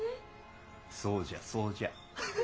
そうじゃそうじゃ。